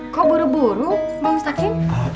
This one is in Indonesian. kok buru buru bang ustakin